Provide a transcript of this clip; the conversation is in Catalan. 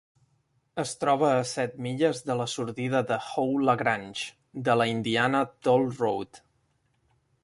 Es troba a set milles de la sortida de Howe-LaGrange de la Indiana Toll Road.